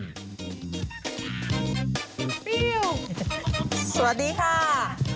สวัสดีค่ะ